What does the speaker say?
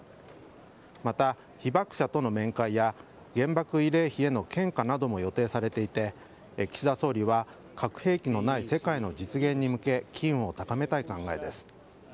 また、被爆者との面会や原爆慰霊碑への献花なども予定されていて岸田総理は核兵器のない世界の実現に向け機運を高めたい考えです。